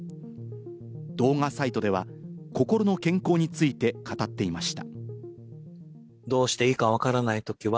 動画サイトでは心の健康について語っていました。